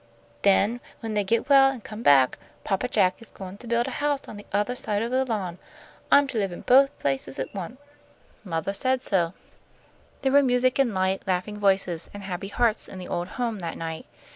Then when they get well an' come back, Papa Jack is goin' to build a house on the othah side of the lawn. I'm to live in both places at once; mothah said so." There were music and light, laughing voices and happy hearts in the old home that night.